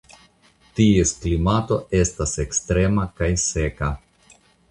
Ties klimato estas ekstrema kaj seka.